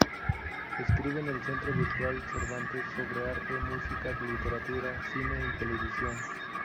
Escribe en el Centro Virtual Cervantes sobre arte, música, literatura, cine y televisión.